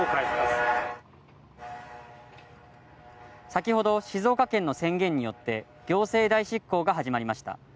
先ほど静岡県の宣言によって行政代執行が始まりました